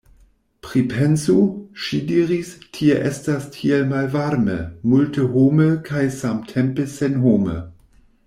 Pripensu, ŝi diris, tie estas tiel malvarme, multehome kaj samtempe senhome.